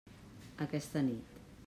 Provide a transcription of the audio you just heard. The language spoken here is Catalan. Aquesta nit.